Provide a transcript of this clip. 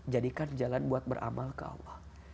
jadikan jalan buat beramal ke allah